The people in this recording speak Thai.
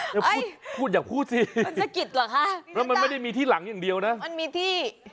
อย่าพูดอย่าพูดสิแล้วมันไม่ได้มีที่หลังอย่างเดียวนะมันมีที่